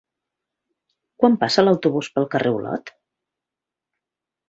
Quan passa l'autobús pel carrer Olot?